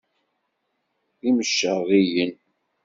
D imceṛṛiyen.